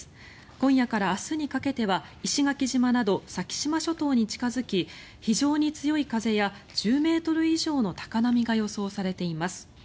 今夜から明日にかけては石垣島など先島諸島に近付き非常に強い風や１０ｍ以上の高波が予想されています。